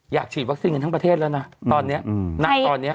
อยากฉีดวัคซีนกันทั้งประเทศแล้วนะตอนนี้ณตอนนี้